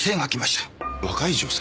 若い女性？